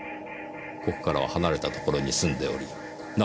ここからは離れた所に住んでおりなおかつ